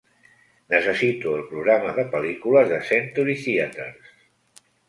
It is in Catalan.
Necessito el programa de pel·lícules de Century Theatres